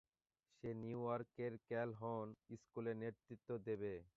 সে New ইয়র্কের Calhoun স্কুলের নেতৃত্ব দেবে।